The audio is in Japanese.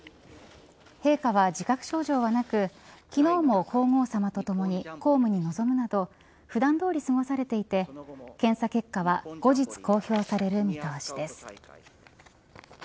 陛下は自覚症状はなく昨日も皇后さまとともに公務に臨むなど普段どおり過ごされていて検査結果は後日公表される見通しです。